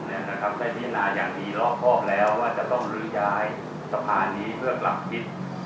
ในที่นานอย่างมีรอบครอบแล้วว่าจะต้องลืนย้ายสะพานนี้เพื่อกลับฮิต